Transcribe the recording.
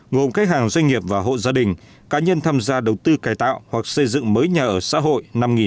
ngồm khách hàng doanh nghiệp và hộ gia đình cá nhân tham gia đầu tư cài tạo hoặc xây dựng mới nhà ở xã hội